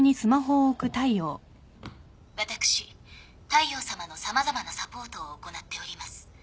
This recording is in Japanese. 私大陽さまの様々なサポートを行っておりますＭと申します。